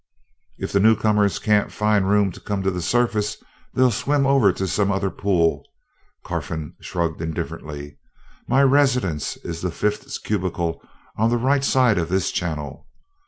"If the newcomers can't find room to come to the surface they'll swim over to some other pool." Carfon shrugged indifferently. "My residence is the fifth cubicle on the right side of this channel.